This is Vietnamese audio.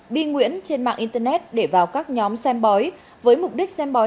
bi nguyễn trên mạng internet để vào các nhóm xem bói với mục đích xem bói